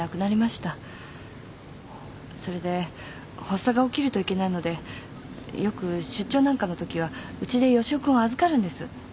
それで発作が起きるといけないのでよく出張なんかのときはうちで義男君を預かるんです。